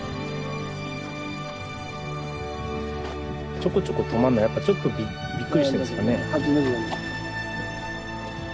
ちょこちょこ止まるのはやっぱちょっとびっくりしてるんですかね。